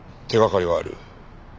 手掛かりはある。